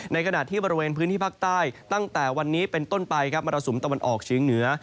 ขณะที่บริเวณพื้นที่ภาคใต้ตั้งแต่วันนี้เป็นต้นไปครับมรสุมตะวันออกเฉียงเหนือ